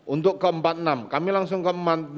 untuk ke empat puluh enam kami langsung ke empat